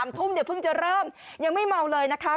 ทุ่มเดี๋ยวเพิ่งจะเริ่มยังไม่เมาเลยนะคะ